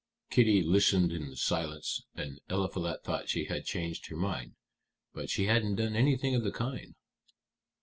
Kitty listened in silence, and Eliphalet thought she had changed her mind. But she hadn't done anything of the kind."